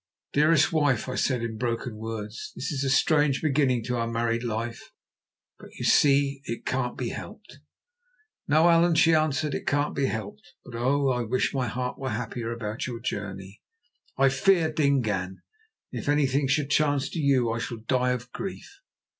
"Dearest wife," I said in broken words, "this is a strange beginning to our married life, but you see it can't be helped." "No, Allan," she answered, "it can't be helped; but oh! I wish my heart were happier about your journey. I fear Dingaan, and if anything should chance to you I shall die of grief."